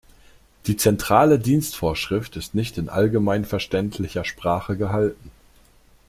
Die Zentrale Dienstvorschrift ist nicht in allgemeinverständlicher Sprache gehalten.